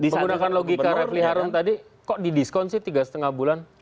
menggunakan logika refli harun tadi kok didiskon sih tiga lima bulan